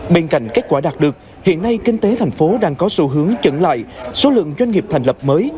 bên cạnh kết quả đạt được hiện nay kinh tế thành phố đang có xu hướng chứng lại số lượng doanh nghiệp thành lập mới